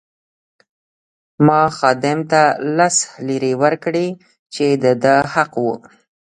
ما خادم ته لس لیرې ورکړې چې د ده حق وو.